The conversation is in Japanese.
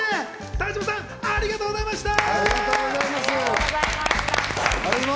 田島さん、ありがとうございました！